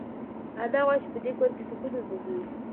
انا غواړي چې په دې کور کې سکون ومومي.